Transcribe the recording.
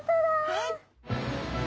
はい。